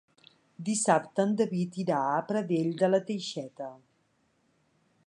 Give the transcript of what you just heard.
Dissabte en David irà a Pradell de la Teixeta.